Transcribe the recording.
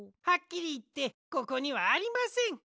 はっきりいってここにはありません。